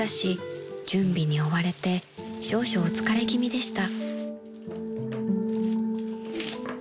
準備に追われて少々お疲れ気味でした］